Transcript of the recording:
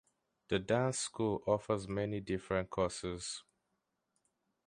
The dance school offers many different courses.